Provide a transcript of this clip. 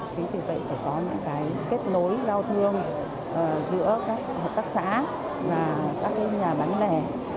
chính vì vậy phải có những cái kết nối giao thương giữa các hợp tác xã và các nhà bán lẻ